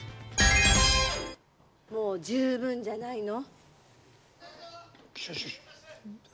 もう十分じゃないの？